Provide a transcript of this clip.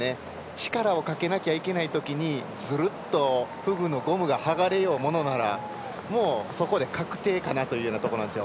力をかけなきゃいけないときにずるっとフグのゴムが剥がれようものならもうそこで確定かなというところなんですよ。